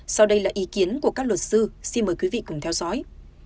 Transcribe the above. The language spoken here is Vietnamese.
sau đây là ý kiến của các luật sư xin mời quý vị cùng theo dõi